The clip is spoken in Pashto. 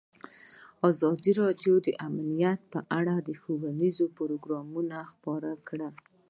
ازادي راډیو د امنیت په اړه ښوونیز پروګرامونه خپاره کړي.